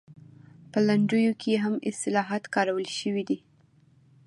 په لنډیو کې هم اصطلاحات کارول شوي دي